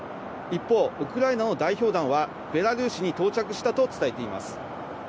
一方、ウクライナの代表団は、ベラルーシに到着したと伝えています。